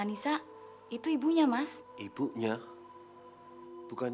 ada rud sebentar dic seaweed dua dua ini